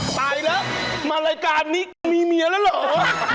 ตายแล้วมารายการนี้กูมีเมียแล้วเหรอ